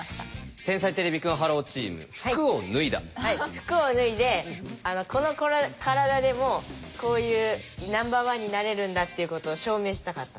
服を脱いでこの体でもこういうナンバーワンになれるんだっていうことを証明したかった。